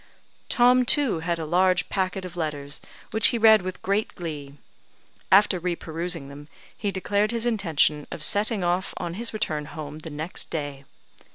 Tom, too, had a large packet of letters, which he read with great glee. After re perusing them, he declared his intention of setting off on his return home the next day.